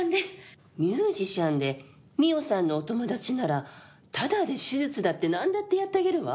ミュージシャンで澪さんのお友達ならタダで手術だってなんだってやってあげるわ。